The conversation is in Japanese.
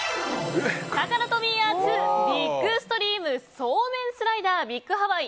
タカラトミーアーツビッグストリームそうめんスライダービッグハワイ。